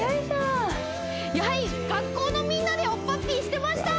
はい学校のみんなでおっぱっぴーしてました